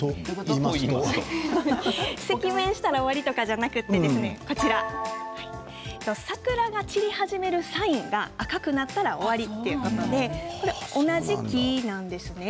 赤面したら終わりとかではなくて桜が散り始めるサインが赤くなったら終わりということで同じ木なんですね。